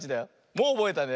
もうおぼえたね。